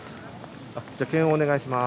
検温をお願いします。